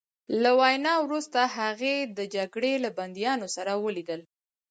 له وینا وروسته هغه د جګړې له بندیانو سره ولیدل